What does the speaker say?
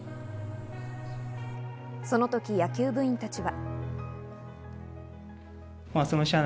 その時、野球部員たちは。